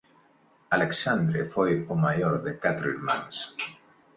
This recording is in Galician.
Alexandre foi o maior de catro irmáns.